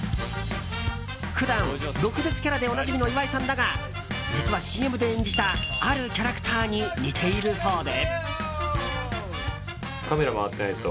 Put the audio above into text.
普段、毒舌キャラでおなじみの岩井さんだが実はＣＭで演じたあるキャラクターに似ているそうで。